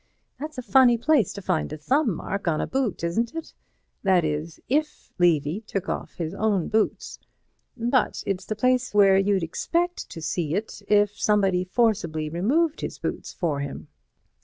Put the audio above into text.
That's a funny place to find a thumb mark on a boot, isn't it? That is, if Levy took off his own boots. But it's the place where you'd expect to see it if somebody forcibly removed his boots for him.